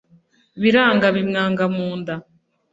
biranga bimwanga mu nda